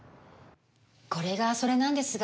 これがそれなんですが。